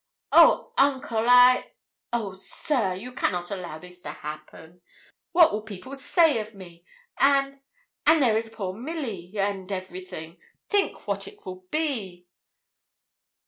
'Oh, uncle I oh, sir! you cannot allow this to happen. What will people say of me? And and there is poor Milly and everything! Think what it will be.'